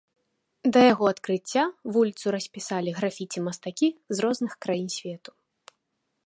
Да яго адкрыцця вуліцу распісалі графіці мастакі з розных краін свету.